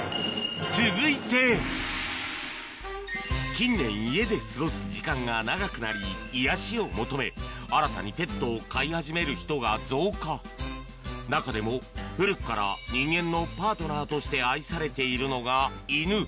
続いて近年家で過ごす時間が長くなり癒やしを求め新たにペットを飼い始める人が増加中でも古くから人間のパートナーとして愛されているのが犬